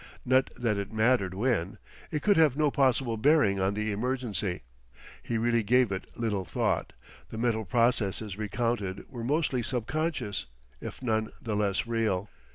Not that it mattered when. It could have no possible bearing on the emergency. He really gave it little thought; the mental processes recounted were mostly subconscious, if none the less real.